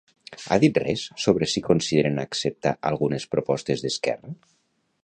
Ha dit res sobre si consideren acceptar algunes propostes d'Esquerra?